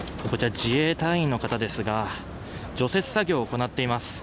自衛隊員の方ですが除雪作業を行っています。